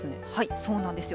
そうなんですよ。